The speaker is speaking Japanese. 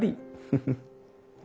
フフフッ。